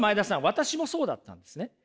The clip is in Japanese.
私もそうだったんですね。